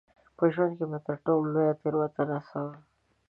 په ژوند کې مو تر ټولو لویه تېروتنه څه وه؟